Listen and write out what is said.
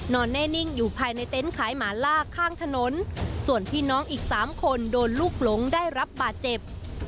แน่นิ่งอยู่ภายในเต็นต์ขายหมาลากข้างถนนส่วนพี่น้องอีกสามคนโดนลูกหลงได้รับบาดเจ็บ